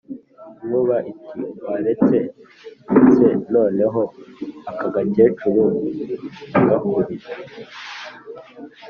inkuba iti:" waretse se noneho aka gakecuru nkagakubita?"